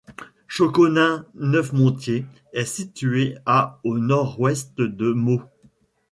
Chauconin-Neufmontiers est situé à au nord-ouest de Meaux.